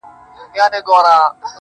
دا دی د ژوند و آخري نفس ته ودرېدم.